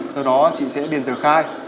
sau đó chị sẽ điền tờ khai